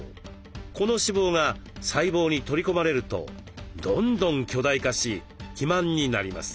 この脂肪が細胞に取り込まれるとどんどん巨大化し肥満になります。